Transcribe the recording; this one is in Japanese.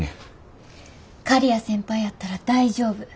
刈谷先輩やったら大丈夫。